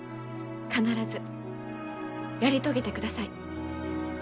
必ずやり遂げてください。